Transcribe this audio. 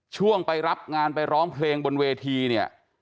ช่วงไปรับงานไปร้องเพลงบนเวทีเนี่ย